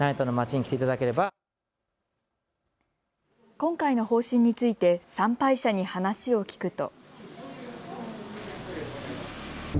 今回の方針について参拝者に話を聞くと。